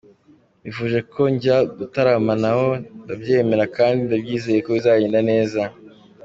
Bifuje ko njya gutaramana nabo , ndabyemera kandi ndabyizeye ko bizagenda neza.